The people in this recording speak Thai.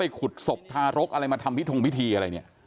ขุดศพทารกอะไรมาทำพิธงพิธีอะไรเนี่ย